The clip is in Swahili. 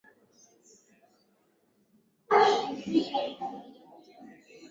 kumethibitishwa kuambukizwa ugonjwa huo na wamelazwa hospitali mbalimbali nchini humo